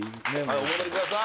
お戻りください